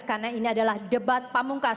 karena ini adalah debat pamungkas